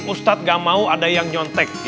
ustadz gak mau ada yang nyontek